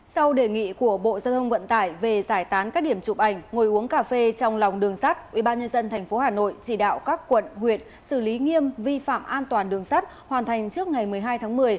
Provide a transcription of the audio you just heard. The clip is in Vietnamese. sau đề nghị của bộ giao thông vận tải về giải tán các điểm chụp ảnh ngồi uống cà phê trong lòng đường sắt ubnd tp hà nội chỉ đạo các quận huyện xử lý nghiêm vi phạm an toàn đường sắt hoàn thành trước ngày một mươi hai tháng một mươi